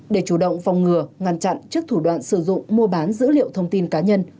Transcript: để chủ động phòng ngừa ngăn chặn trước thủ đoạn sử dụng mua bán dữ liệu thông tin cá nhân